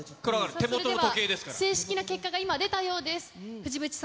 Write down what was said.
正式な結果が今出たようです。